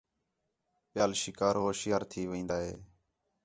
ٻِیال شکار ہوشیار تھی وین٘دا ہِے